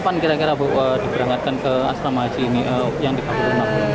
kapan kira kira diberangkatkan ke aslamasi yang dikaburkan